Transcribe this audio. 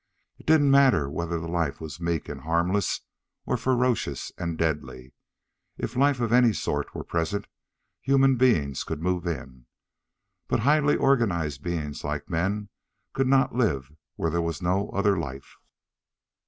It didn't matter whether the life was meek and harmless, or ferocious and deadly. If life of any sort were present, human beings could move in. But highly organized beings like men could not live where there was no other life.